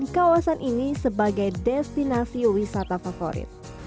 dan kawasan ini sebagai destinasi wisata favorit